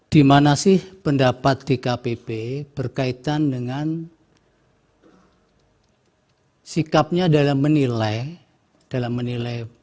di mana sih pendapat di kpp berkaitan dengan sikapnya dalam menilai